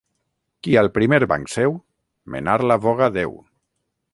Qui al primer banc seu, menar la voga deu.